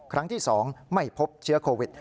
ครั้งที่๒ไม่พบเชื้อโควิด